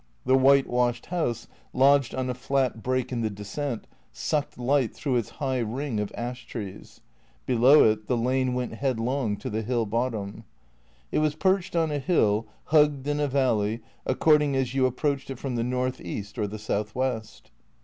The white washed house, lodged on a flat break in the descent, sucked light through its high ring of ash trees. Below it the lane went headlong to the hill bottom. It was perched on a hill, hugged in a valley, according as you approached it from the north east or the south west.